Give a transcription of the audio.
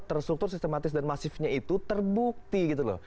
terstruktur sistematis dan masifnya itu terbukti gitu loh